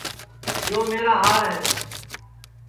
یو میرا ہار ہے